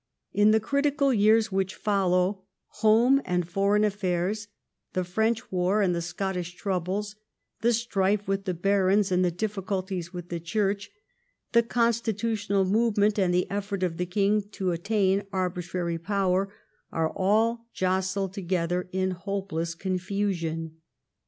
In the critical years which follow, home and foreign affairs, the French war and the Scottish troubles, the strife with the barons and the difficulties with the Church, the constitutional movement and the effort of the king to attain arbitrary power, are all jostled together in hope less confusion.